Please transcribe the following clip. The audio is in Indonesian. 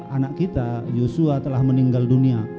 anak kita yosua telah meninggal dunia